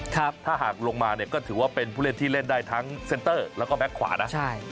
ถ้าหากลงมาเนี่ยก็ถือว่าเป็นผู้เล่นที่เล่นได้ทั้งเซ็นเตอร์แล้วก็แก๊กขวานะใช่